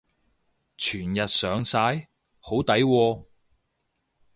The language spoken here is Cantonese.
全日上晒？好抵喎